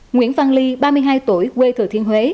nguyễn văn ly ba mươi hai tuổi quê thừa thiên huế